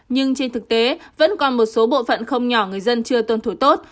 nhưng trên thực tế vẫn còn một số bộ phận không nhỏ người dân chưa tuân thủ tốt